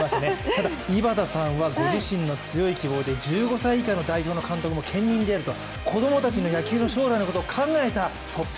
ただ、井端さんはご自身の強い希望で１５歳以下の代表の監督も兼任であると。